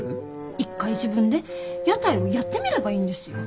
一回自分で屋台をやってみればいいんですよ。